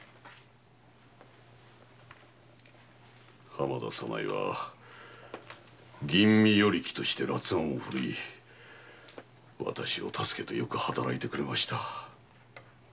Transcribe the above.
浜田は吟味与力として辣腕を振るい私を助けてよく働いてくれました。